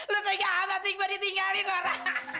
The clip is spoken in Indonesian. lo tega sama si gue ditinggalin laura